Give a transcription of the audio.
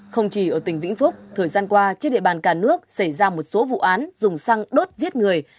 không chỉ ở tỉnh vĩnh phúc thời gian qua trên địa bàn cả nước xảy ra một số vụ án dùng xăng đốt giết người